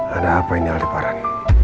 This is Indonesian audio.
ada apa ini alde paran